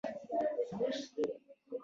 چې لوبډله یې د سې شنبې په ورځ